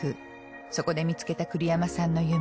そこで見つけた栗山さんの夢。